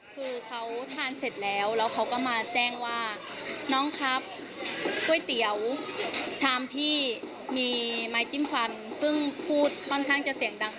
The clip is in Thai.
คือเขาทานเสร็จแล้วแล้วเขาก็มาแจ้งว่าน้องครับก๋วยเตี๋ยวชามพี่มีไม้จิ้มควันซึ่งพูดค่อนข้างจะเสียงดัง